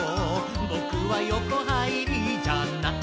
「ぼくはよこはいりじゃない」